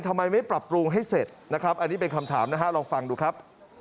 ทำไมไม่ปรับปรุงให้เสร็จนะครับอันนี้เป็นคำถามนะฮะลองฟังดูครับ